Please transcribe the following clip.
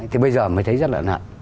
thì bây giờ mới thấy rất là ân hận